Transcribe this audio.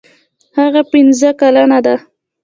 هغه پنځه کلنه ده.